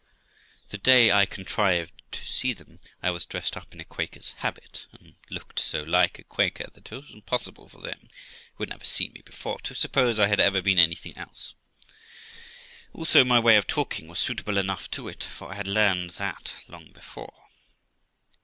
The day I contrived to see them, I was dressed up in a Quaker's habit, and looked so like a Quaker, that it was impossible for them, who had never seen me before, to suppose I had ever been anything else ; also my way of talking was suitable enough to it, for I had learned that long before.